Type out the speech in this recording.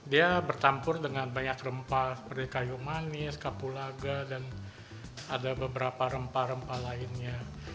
dia bertampur dengan banyak rempah seperti kayu manis kapulaga dan ada beberapa rempah rempah lainnya